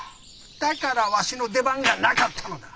だからわしの出番がなかったのだ！